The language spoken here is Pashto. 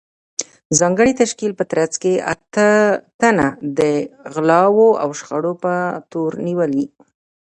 ځانګړې تشکیل په ترڅ کې اته تنه د غلاوو او شخړو په تور نیولي